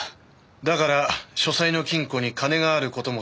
だから書斎の金庫に金がある事も知っていたのか？